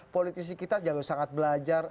politisi kita jauh sangat belajar